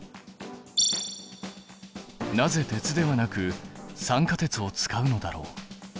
なぜ鉄ではなく酸化鉄を使うのだろう？